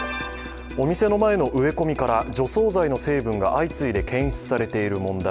お店の前の植え込みから除草剤の成分が相次いで検出されている問題